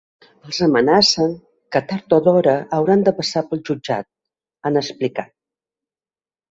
Els amenacen que, tard o d’hora, hauran de passar pel jutjat, han explicat.